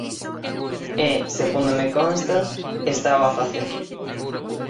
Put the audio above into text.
E, segundo me consta, estao a facer.